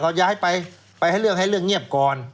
เขาย้ายไปไปให้เรื่องให้เรื่องเงียบก่อน